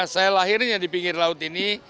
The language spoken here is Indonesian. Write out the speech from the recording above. saya lahirnya di pinggir laut ini